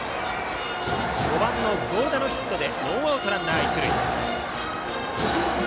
５番の合田のヒットでノーアウトランナー、一塁。